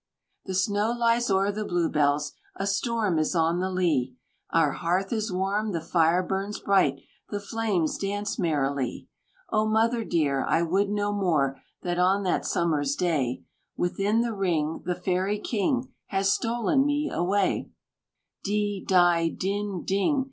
"The snow lies o'er the Blue bells, A storm is on the lea; Our hearth is warm, the fire burns bright, The flames dance merrily. Oh, Mother dear! I would no more That on that summer's day, Within the ring, The Fairy King Had stolen me away D! DI! DIN! DING!